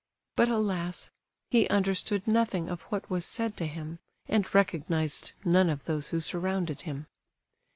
But alas! he understood nothing of what was said to him, and recognized none of those who surrounded him.